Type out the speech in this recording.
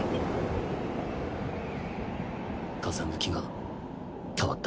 風向きが変わった。